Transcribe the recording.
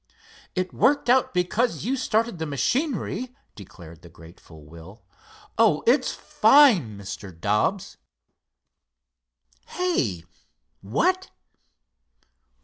"It worked out because you started the machinery," declared the grateful Will. "Oh, it's fine, Mr. Dobbs." "Hey! what?